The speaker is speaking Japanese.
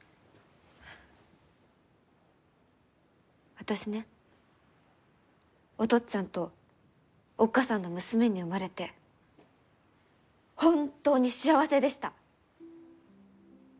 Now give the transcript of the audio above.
あたしねお父っつぁんとおっ母さんの娘に生まれて本当に幸せでした！